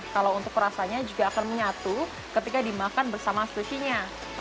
kalau untuk rasanya juga akan menyatu ketika dimakan bersama sushinya